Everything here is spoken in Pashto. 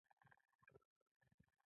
دا سبزی د زړه د حملې خطر کموي.